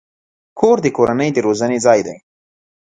کور د کورنۍ د روزنې ځای دی.